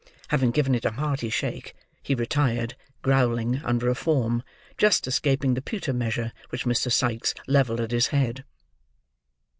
Having given in a hearty shake, he retired, growling, under a form; just escaping the pewter measure which Mr. Sikes levelled at his head.